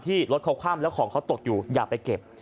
ที่รถเขาข้ามแล้วของเขาตกอยู่อย่าไปเก็บ